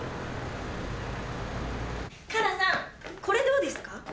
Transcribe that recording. これどうですか？